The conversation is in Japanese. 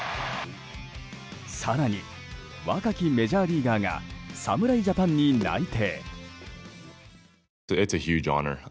更に、若きメジャーリーガーが侍ジャパンに内定。